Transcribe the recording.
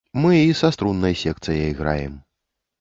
Мы і са струннай секцыяй граем.